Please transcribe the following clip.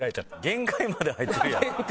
限界まで入ってるやん。